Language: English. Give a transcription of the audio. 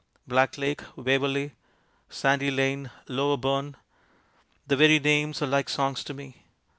Black Lake, Waverley, Sandy Lane, Lower Bourne the very names are like songs to me.